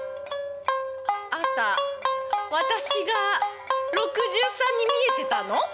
ああた私が６３に見えてたの？